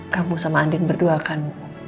kamu sama andin berdua akan